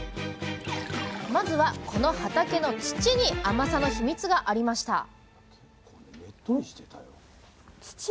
まずはこの畑の土に甘さのヒミツがありました